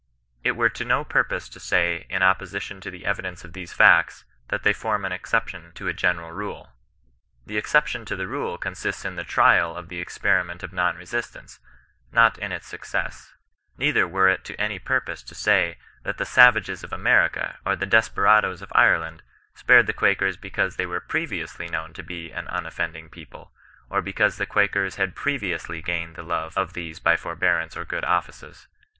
" It were to no purpose to say, in opposition to tho evi dence of these facts, that they form an exception to a general rule. The exception to the rule consists in the trial of the experiment of non resistance, not in its sicc cess. Neither were it to any purpose to say, that the savages of America, or the desperadoes of IreLuid, spared the Quakers because they were previously known to be an unoft'ending people, or because the Quakers had jore viondif gained the love of these by forbearance or good offices.